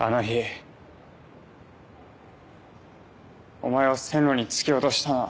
お前を線路に突き落としたのは。